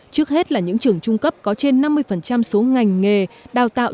trước hết là những trường trung cấp có trên năm mươi số ngành nghề đào tạo